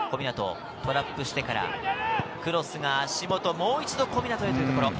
小湊、トラップしてからクロスが足元、もう一度、小湊へというところ。